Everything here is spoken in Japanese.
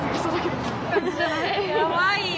やばいよ。